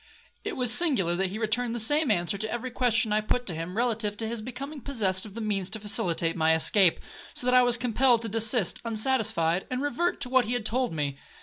It was singular that he returned the same answer to every question I put to him, relative to his becoming possessed of the means to facilitate my escape, so that I was compelled to desist unsatisfied, and revert to what he had told me.